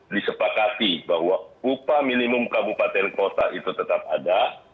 disepakati bahwa upah minimum kabupaten kota itu tetap ada